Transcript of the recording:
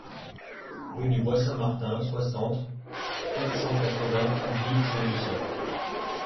Rue du Bois Saint-Martin, soixante, quatre cent quatre-vingts Abbeville-Saint-Lucien